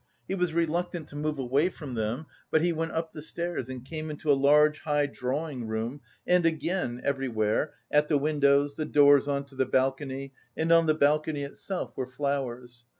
He was reluctant to move away from them, but he went up the stairs and came into a large, high drawing room and again everywhere at the windows, the doors on to the balcony, and on the balcony itself were flowers.